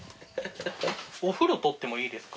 お風呂撮ってもいいですか？